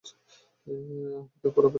আমি তো পুরোপুরি অদৃশ্য।